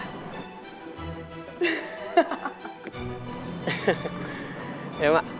iya mak assalamualaikum